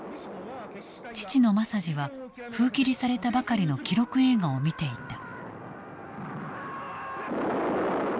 父の政次は封切りされたばかりの記録映画を見ていた。